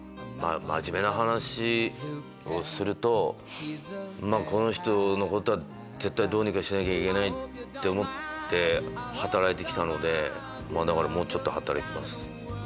真面目な話をするとこの人のことは絶対どうにかしなきゃいけないって思って働いてきたのでだからもうちょっと働きます。